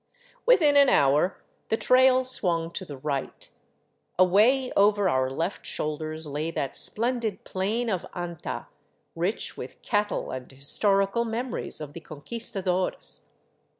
Within an hour the trail swung to the right. Away over our left shoulders lay that splendid Plain of Anta, rich with cattle and his torical memories of the Conquistadores.